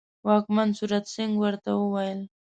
واکمن سورت سینګه ورته وویل.